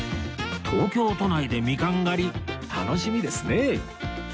東京都内でミカン狩り楽しみですね